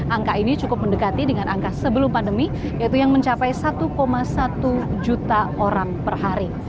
angka ini cukup mendekati dengan angka sebelum pandemi yaitu yang mencapai satu satu juta orang per hari